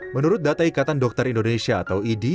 menurut data ikatan dokter indonesia atau idi